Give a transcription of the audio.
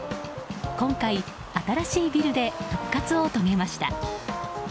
今回、新しいビルで復活を遂げました。